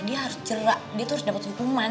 dia harus jerak dia tuh harus dapet hukuman